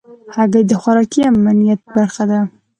هګۍ د خوراکي امنیت برخه ده.